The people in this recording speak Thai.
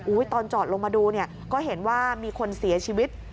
ตอนจอดลงมาดูเนี่ยก็เห็นว่ามีคนเสียชีวิต